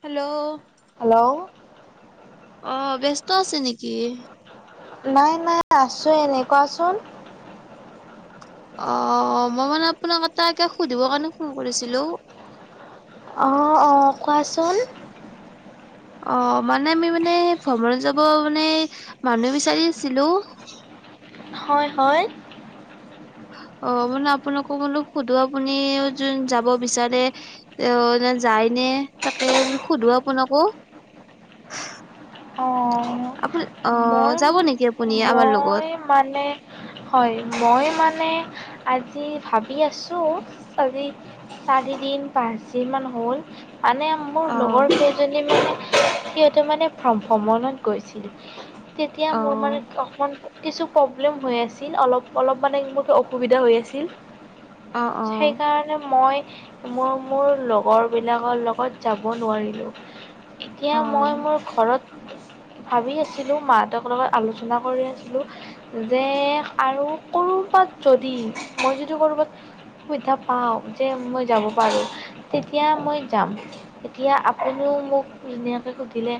Hello. Hello অ', ব্যস্ত আছে নেকি? নাই, নাই আছো এনে কোৱাচোন। অ', মই মানে আপোনাক এটাকে সুধিব কাৰণে ফোন কৰিছিলোঁ। অ', অ', কোৱাচোন। অ', মানে আমি মানে ভ্ৰমণত যাব মানে মানুহ বিচাৰি আছিলোঁ। হয়, হয়। অ', মানে আপোনাকো বোলো সোধো আপুনিও যোন যাব বিচাৰে এ যায় নে তাকে সোধো আপোনাকো অঁ আপ মই, মই, মানে হয়। মই মানে আজি ভাবি আছোঁ, আজি চাৰিদিন পাঁচদিনমান হ'ল। মানে মোৰ অ' লগৰ কেইজনী মানে সিহঁতে মানে ভ্ৰমণত গৈছিলোঁ তেতিয়া মোৰ মানে অ' অ কিছু প্ৰব্লেম হৈ আছিল অলপ অলপ মানে মোৰ অসুবিধা হৈ আছিল অ' সেইকাৰণে মই মই মোৰ লগৰ বিলাকৰ লগত যাব নোৱাৰিলো এতিয়া অ' অ' মই মোৰ ঘৰত ভাবি আছিলো মাহঁতৰ লগত আলোচনা কৰি আছিলোঁ যে আৰু ক'ৰবাত যদি মই যদি ক'ৰবাত সুবিধা পাওঁ যে মই যাব পাৰোঁ তেতিয়া মই যাম তেতিয়া আপুনিও মোক ধুনীয়াকৈ সুধিলে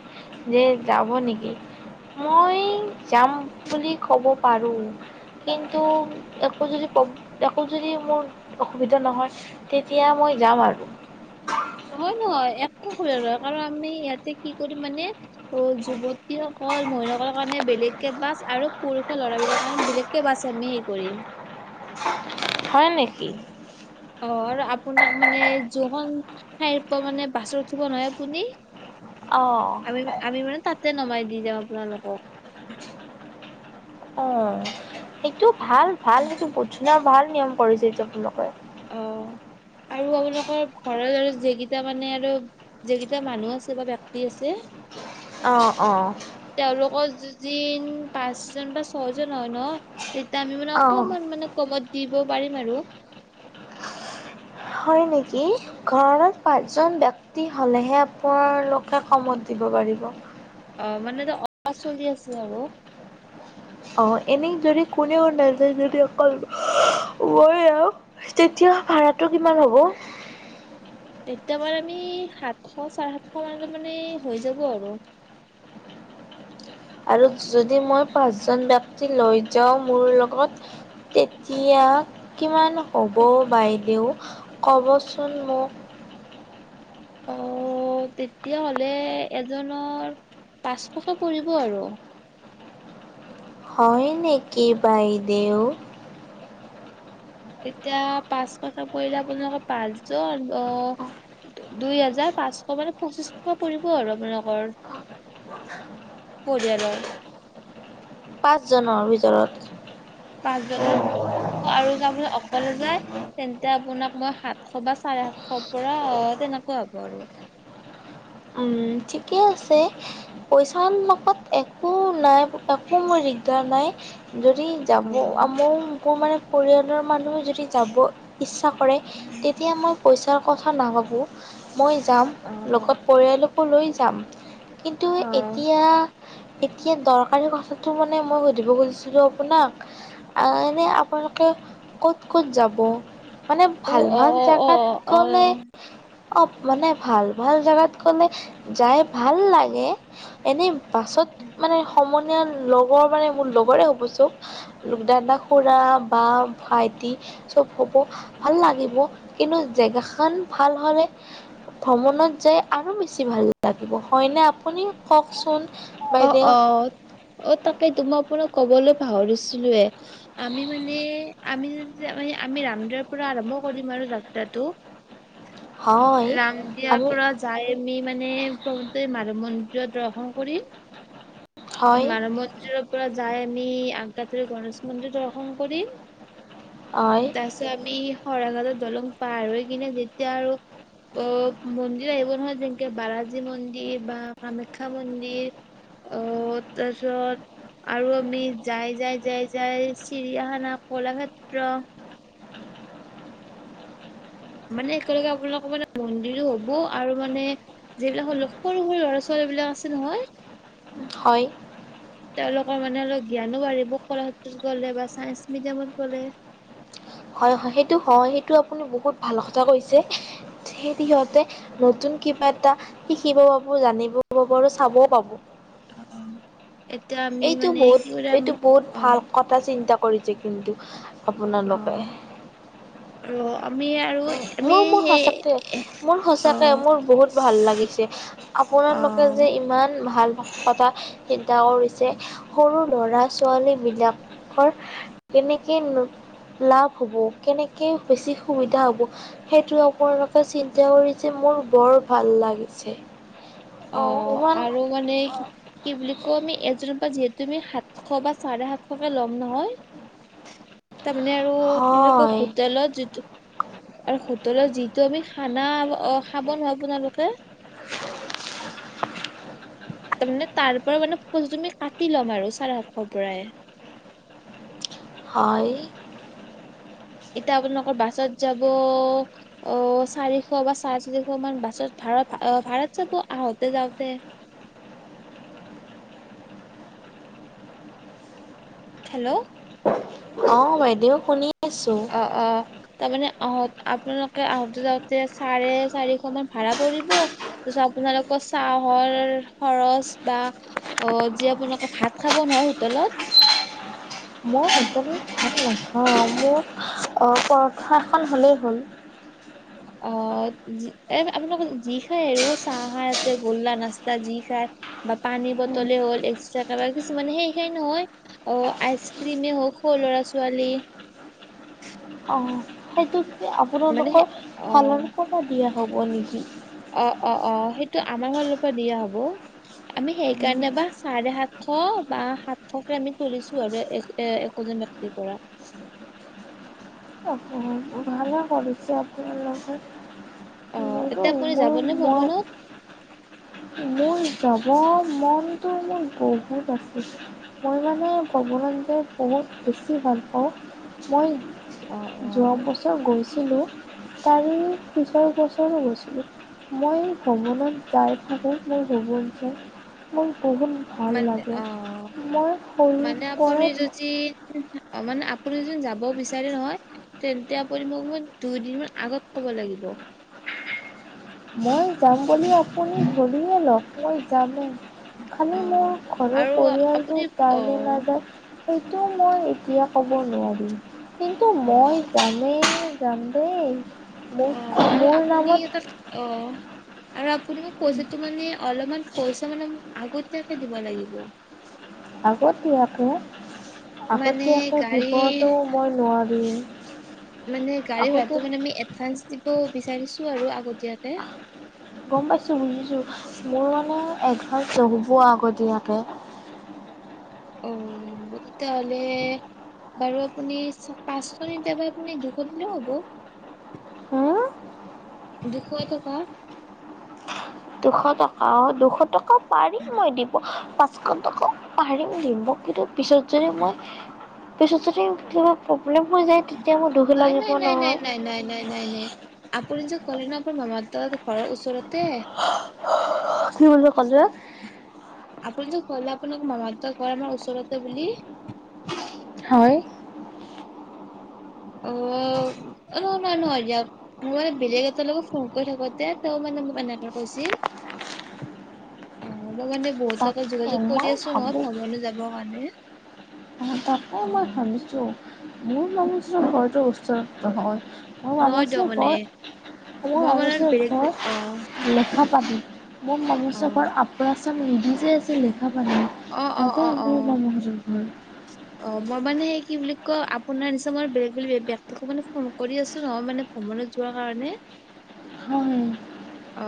যে যাব নেকি মই যাম বুলি ক'ব পাৰোঁ কিন্তু একো যদি একো যদি মোৰ অসুবিধা নহয় তেতিয়া মই যাম আৰু হয় নহয় একো সুবিধা নহয় কাৰণ আমি ইয়াতে কি কৰিম মানে অ যুৱতীসকল মহিলকল কাৰণে বেলেগকে বাছ আৰু পুৰুষৰ ল'ৰাবোৰৰ কাৰণে বেলেগকে বাছ আমি কৰিম হয় নেকি অ আৰু আপোনাক মানে জহ ঠাইৰ পৰা মানে বাছত উঠিব নহয় আপুনি অঁ আমি আমি মানে তাতে নমাই দি যাম আপোনালোকক অ সেইটো ভাল ভাল কিছু পঢছ সনে ভাল নিয়ম কৰিছে এতি তেওঁয়া তেওঁলোকে অ আৰু আপোনালোকৰ ঘৰৰে যেগেইটা মানে আৰু যেগেইটা মানুহ আছে বা ব্যক্তি আছে অ অ দিন পাঁচজন বা ছয়জন হয় ন সেইতিয়া আমি মানে অ', অকমান মানে কমত দিব পাৰিম আৰু হয় নেকি ঘৰত পাঁচজন ব্যক্তি হ'লেহে আপোনালোকে কমত দিব পাৰিব অ মানে এ অহ চলি আছে আৰু অ এনে যদি কোনে ক নাই যোয় যদি অকল মই আৰু তেতিয়া ভাটো কিমান হব এতিমাৰ [unintelligible] আমি সাতশ চাৰে সাতশ মান [unintelligible] মানে হৈ যাব আৰু আৰু যদি মই পাঁচজন ব [unintelligible] লৈ যাও মোৰ লগত তেতিয়া কিমান ক'ব বাইদেউ কবচোন মোক অ তেতিয়াাহ'লে এজনৰ পাঁচশক পৰিব আৰু হয় নেকি বাইদেউ এতিয়া পাঁচশক পৰিলে আপোনালোকৰ পাঁচজন আহ দুই হাজাৰ পাঁচশ মানে পঁচিশ টকা পৰিব আৰু আপোনালোকৰ পৰিয়ালৰ পাঁচজনৰ ভিতৰত। পাঁচজন [unintelligible] আৰু যাব অকলে যায় [inaudible] তেন্তে আপোনাক। মই সাতশ বা চাৰে [unintelligible] সাতশৰ [unintelligible] পৰা তেনেকুৱা হব আৰু উম ঠিকে আছে পইচা কত একো নাই একো মোৰ দিগদাৰ নাই। যদি অ যাব আ মোক মানে। পৰিয়ালৰ মানুহো যদি যাব। ইচ্ছা কৰে তেতিয়া মই পইচাৰ। কথা নাভাবোঁ। মই যাম লগত। পৰিয়ালকো লৈ যাম। কিন্তু অ অ এতিয়া। এতিয়া দৰকাৰী কথাটো মানে মই সুধিব খুজিছিলোঁ আপোনাক এনে আপোনালোকে ক'ত ক'ত যাব? মানে অ ভাল অ -ভাল অ অ জোগাত গলে। অ' মানে ভাল ভাল জোগাত। গ'লে যাই ভাল লাগে এনে। পাছত মানে সময়। [unintelligible] লগৰ মানে মোৰ লগৰে হ'ব চব দাদা খুৰা বা ভাইটি চব হ'ব ভাল লাগিব কিন্তু জেগা খ ভাল হ'লে ভ্ৰমণত যোয় [unintelligible] আৰু বেছি ভাল লাগিব হয়নে আপুনি কওকচোন। অ বাইদেউ -অ -অ তাকেইতো মই আপোনাক। কবলৈ পাহৰিছিলোয়ে আমি মানে আমি যে [unintelligible] মানে [unintelligible] আমি ৰামদউৰ পৰা আৰম্ভ কৰিম আৰু যাত্ৰাটো। হয় ৰাম দিয়াৰ আমি পৰা যাই আমি মানে ভগ [unintelligible] মাৰ [unintelligible] মন্দ [unintelligible] দৰ্শন কৰিল হয় মানৱ মন্দিৰৰ পৰা যাই আমি [unintelligible] গণেশ মন্দিৰ দৰ্শন কৰিম হয় তাৰ আমি হৰাঘালত দলং পাৰ হৈ কিনে যেতিয়া আৰু অ মন্দিৰ আহিব নহয় যেনেকে বালাজী মন্দিৰ বা কামাখ্যা মন্দিৰ। অ' তাৰপিছত আৰু আমি যাই যাই যাই যাই চিৰিয়াখানা কলাক্ষেত্ৰ মানে একেলগে আপোনালোকৰ মানে মন্দিৰো হ'ব আৰু মানে যিবিলাক হ সৰু সৰু লৰা ছোৱালীবিলাক আছে নহয়। হয়। তেওঁলোকৰ মানে অলপ জ্ঞানো বাঢ়িব কলাক্ষেত্ৰত গলে বা চাইন্স মিউজিয়ামত গ'লে। হয় হয় সেইটো হয় সেইটো আপুনি বহুত ভাল কথা কৈছে সেই নতুন কিবা এটা শিকিব পাব জানিবও পাব আৰু চাবও পাব। অ'। এইটো বহুত এইটো বহুত ভাল অ' কথা চিন্তা। কৰিছে কিন্তু? আপোনালোকে অ' আৰু আমি আৰু আমি মোৰ মোৰ সেই সঁচাকে মোৰ সচাঁকে অ' মোৰ বহুত ভাল লাগিছে আপোনালোকে অ' যে ইমান ভাল। [unintelligible] যে সৰু লৰা ছোৱালী বিলাকৰ কেনেকে লাভ হব কেনেকে বেছি সুবিধা হব সেইটো আপোনালোকে চিন্তা কৰি যে মোৰ বৰ ভাল লাগিছে। অ আৰু মানে কি বুলি কওঁ আমি যিহেতু তুমি সাতশ বা চাৰে সাতশকে ল'ম নহয়। তাৰমানে আৰু কি বুলি কয় হয়। হোটেলত যিটো আৰু হো- -টেলত যিটো আমি খানা অ খাব ন আপোনালোকে তাৰ মানে তাৰ পৰা মানে তুমি কাটি ল'ম আৰু চাৰে সাতশৰ পৰাই। হয়। এতিয়া আপোনালোকৰ বাছত যাব আহ চাৰিশ বা চাৰে চাৰিশ মান বাছত ভাড়া আহ ভাড়াত যাব আহোতে যাওঁতে। থেল্ল' অ বাইদেউ শুনি আছোঁ। অ অ তাৰমানে অহ আপোনালোকে আহোতে যাওঁতে চাৰে চাৰিশ মান ভাড়া পৰিব। তাৰপিছত আপোনালোকৰ চাহৰ খৰচ বা অ যি আপোনালোকে ভাত খাব নহয় হোটেলত মই হোটেলত ভাত নাখ অ মোৰ অ পৰঠা এখন হ'লেই হ'ল। অ এ আপোনালোকে যি খায় আৰু চাহ আছে গোল্লা নাস্তা যি খায় বা পানী উম, বটলে হ'ল এক্সট্ৰা তাবা কিছুমানে সেই খাই নহয় অ আইচ ক্ৰীমে হওক ল'ৰা-ছোৱালী অ সেইটোত মানে সে আপোনালোকৰ অ ফালৰ পৰা দিয়া হ'ব নেকি? অ অ অ সেইটো আমাৰ ফালৰ পৰা দিয়া হ'ব। আমি সেইকাৰণে বা চাৰে সাত শ বা সাতশকে আমি তুলিছো আৰু এ এ একোজন ব্যক্তিৰ পৰা। ভালে কৰিছ। [unintelligible] [unintelligible] অ এতিয়া আপুনি যাবনে ভ্ৰমণত মনটো মোৰ বহুত আছে মই মানে ভ্ৰমনত গৈ বহুত বেছি ভাল পাওঁ, মই অ অ যোৱা বছৰ গৈছিলোঁ তাৰে পিছৰ বছৰো গৈছিলোঁ, মই ভ্ৰমণত যাই থাকোঁ মোৰ ভ্ৰমণ যে মই বহুত ভাল মানে লাগে। অ মই সৰুৰ মানে আপুনি পৰাই যদি অ মানে আপুনি যদি যাব বিচাৰে নহয় তেন্তে আপুনি মোক মানে দুই দিন মান আগত কব লাগিব। মই যাম বুলি আপুনি ভাবিয়ে লওক, মই যামে। অ খালি মোৰ ঘৰৰ আৰু পৰিয়ালটো আপুনি অ তালৈ নাযায়। সেইটো মই এতিয়া ক'ব নোৱাৰিম। কিন্তু অ মই জানো যাম দেই। মোৰ, অ আৰু মোৰ আপুনি এটা নামত অ আৰু আপ আপুনি মোক পইচাটো মানে অলপমান পইচা মানে আগতীয়াকে দিব লাগিব। আগতীয়াকে, মানে আগতীয়াকে গাড়ীৰ দিবতো মই নোৱাৰিম। মানে গাড়ী ভাড়াটো আগতীয়া মানে আমি এডভাঞ্চ দিব বিচাৰিছ আৰু আগতীয়াকে গম পাইছো বুজিছো মোৰ মানে এডভাঞ্চ নহ'ব আগতীয়াকে। অ তেতিয়াহ'লে বাৰু আপুনি পাঁচশ নিদি আপুনি দুশ দিলেও হ'ব। হুম দুশ টকা। দুশ টকা, দুশ টকাত পাৰিম মই দিব পাচ দুশ টকা পাৰিম দিব কিন্তু পিছত যদি মই পিছত যদি কিবা প্ৰব্লেম হৈ যায় তেতিয়া মোৰ দুখ নাই ন লাগিব ন নহয়। ন নাই আপুনি যে ক'লে ন আপোনাৰ মামা ঘৰৰ ওচৰত তে সজোৱা আপুনি যে ক'লে আপোনাৰ মামা দেউতাৰ ঘৰ আমাৰ ওচৰতে বুলি। হয়। অ অ ম নহয় দিয়ক মোৰ মানে বেলেগ এটা লগক ফোন কৰি থাকোতে তেওঁ মানে মোক এনেকে কৈছিল। অ মই মানে বহুত তাকে যোগাযোগ কৰি মই আছো ভাবো নহয় [unintelligible] যাব হয়নে? তাকে অ মই ভাবিছো মোৰ মানুহজন ঘৰত তো ওচৰত নহয়। মই নহয় দিয়ক ভাবছো মানে ঘৰ মই মানে ভাবিছো বেলেগ অ ঘৰ লেখা পাবি। মোক অ মনোজ ঘৰ আপ ভাজি আছিলো। অ অ অ অ [inaudible] অ, মই মানে, সেই কি বুলি ক, আপোনাৰ নিচিনা মই বেলেগ, বেলেগ, ব্যক্তিকো মানে ফোন কৰি আছো নহয়, মানে ভ্ৰমণত যোৱা কাৰণে, হয় অ।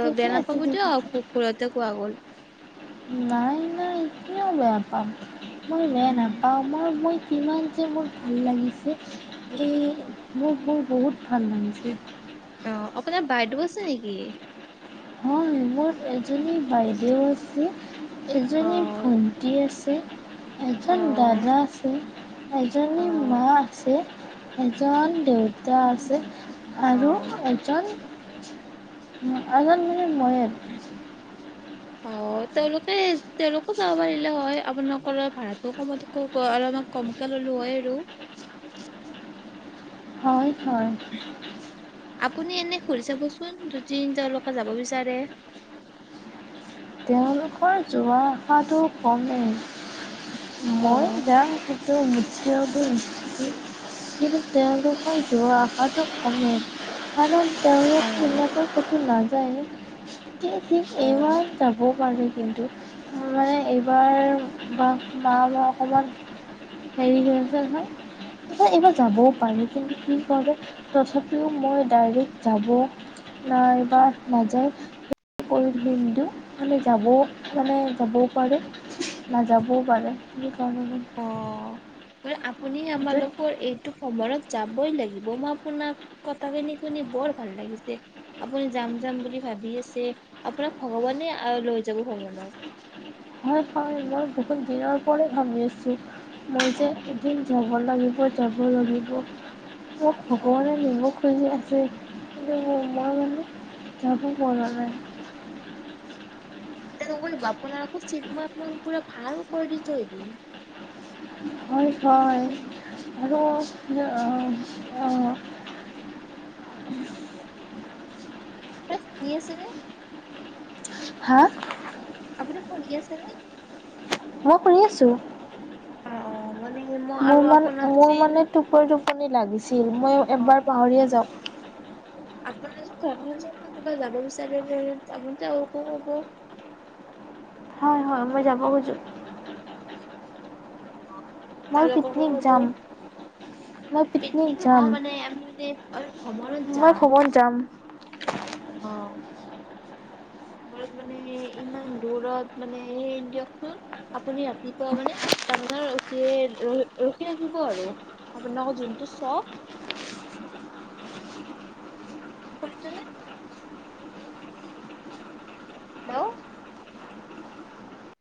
ঠিকে বেয়া আছে নাপাব ঠিক দিওঁক আছে। আকৌ ভূলতে কোৱা গ'ল। নাই নাই কিয় বেয়া পাম। মই বেয়া উম নাপাওঁ, মই, মই। কিমান যে মোৰ ভাল লাগিছে, এই মোৰ মোৰ বহুত ভাল লাগিছে। অ', আপোনাৰ বাইদেউ আছে নেকি? হয়, মোৰ এজনী বাইদেউ আছে। অ এজনী ভন্টি আছে। উম। অ এজন দাদা আছে। অ এজনী মা আছে। এজন দেউতা আছে। অ আৰু এজন উম, আজ ময়ে। অ', তেওঁলোকে, তেওঁলোকো যাব পাৰিলে হয়, আপোনালোকৰ ভাড়াটো কম অলমান কমকে ল'লো হয় আৰু। হয়। হয়। আপুনি এনে সুধি চাবচোন যদি তেওঁলোকে যাব বিচাৰে। তেওঁলোকৰ যোৱা আশাটো কমেই। অ মই যাওঁ কিন্তু মুঠিয়া দি কিন্তু তেওঁলোক মই যোৱা আশাটো কমে। কাৰণ অ তেওঁলোক এমন কঠোৰ নাই। যায়। কিন্তু ঠিক অ এবাৰ যাব পাৰে কিন্তু মানে এইবাৰ বা-মা মই অকণমান হেৰি হৈ আছে নহয় ত' এইবাৰ যাবও পাৰি কিন্তু কি কৰে তথাপিও মই ডাইৰেক্ট যাব নাইবা নাযায় কৰি দিনটো মানে যাবও পাৰে, মানে যাবও পাৰে, নাযাবও পাৰে। সেইকাৰণে মই অ', মানে আম আপুনি য'ত আমালোকৰ এইটো সোমবাৰত যাবই লাগ মই আপোনাক কথাখিনি শুনি বৰ ভাল লাগিছে আপুনি যাম, যাম বুলি ভাবি আছে আপোনাক ভগৱানে অ', লৈ যাব ভ্ৰমণত। হয়, হয়, মই বহুত দিনৰ পৰা ভাবি আছোঁ। মই যে এদিন যাব লাগি মই যাব লাগিব। মোক ভগৱানে নিব খুজিলে যে কিন্তু মই মানে যাব পৰা নাই। নক আপোনালোকৰ চিট মা আপাক পুৰা ভাল কৰি দি থৈ দিম। হয়, হয়, আৰু অ', অ'। এ শুনি আছেনে? হা? আপুনি শুনি আছেনে? মই শুনি আছোঁ। অ', মানে মই মোৰ আৰু মান, আপোনাক মোৰ যে মানে টোপনি টোপনি লাগিছিল মই এবাৰ পাহৰিয়ে যাওঁ। ঘৰ কোনোবা যাব বিচাৰিল তামোতে আৰুকো হ'ব। হয়, হয় মই যাব খোজোঁ। [unintelligible] মই পিকনিক যাম মই পিকনিক যাম অ', মানে আমি মান অলপ ভ্ৰমণত মই যাম। ভ্ৰমণ যাম অ', আমাৰ মানে ইমান দূৰত মানে দিয়কচোন আপুনি ৰাতিপুৱা মানে আঠটা মানত ৰখিয়েই ৰখি থাকিব আৰু। আপোনালোকৰ জোনটো চক শুনিছেনে? হেল্ল'